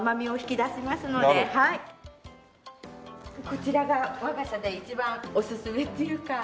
こちらが我が社で一番おすすめっていうか。